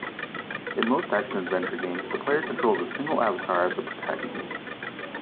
In most action-adventure games, the player controls a single avatar as the protagonist.